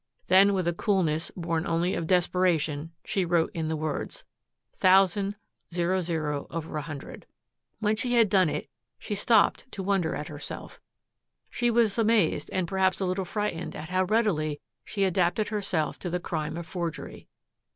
Then with a coolness born only of desperation she wrote in the words, "Thousand 00/100." When she had done it she stopped to wonder at herself. She was amazed and perhaps a little frightened at how readily she adapted herself to the crime of forgery.